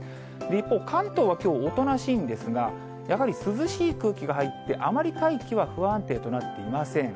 一方、関東はきょう、おとなしいんですが、やはり涼しい空気が入って、あまり大気は不安定となっていません。